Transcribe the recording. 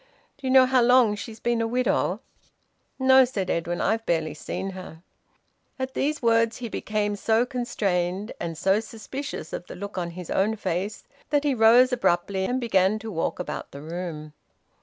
Do you know how long she's been a widow?" "No," said Edwin. "I've barely seen her." At these words he became so constrained, and so suspicious of the look on his own face, that he rose abruptly and began to walk about the room.